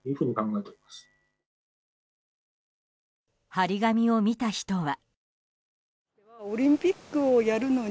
貼り紙を見た人は。